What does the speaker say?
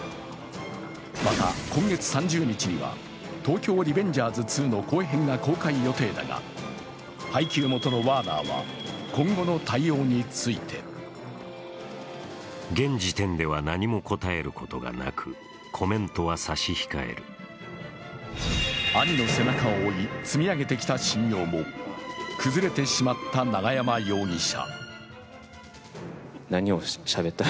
また今月３０日には「東京リベンジャーズ２」の後編が公開予定だが、配給元のワーナーは今後の対応について兄の背中を追い、積み上げてきた信用も崩れてしまった永山容疑者。